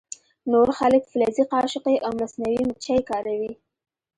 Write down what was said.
نور خلک فلزي قاشقې او مصنوعي مچۍ کاروي